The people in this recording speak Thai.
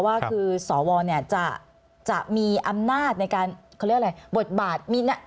ว่าคือสวจะมีอำนาจในการบทบาท